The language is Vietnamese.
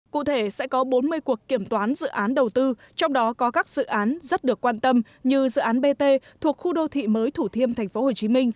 cụ thể sẽ có bốn mươi cuộc kiểm toán dự án đầu tư trong đó có các dự án rất được quan tâm như dự án bt thuộc khu đô thị mới thủ thiêm tp hcm